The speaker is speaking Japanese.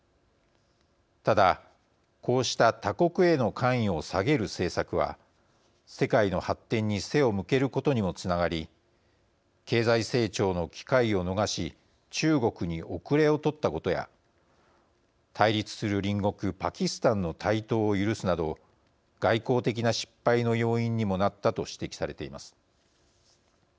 ただ、こうした他国への関与を下げる政策は世界の発展に背を向けることにもつながり経済成長の機会を逃し中国に後れを取ったことや対立する隣国、パキスタンの台頭を許すなど外交的な失敗の要因にもなったと指摘されています。